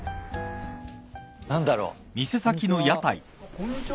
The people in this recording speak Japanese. こんにちは。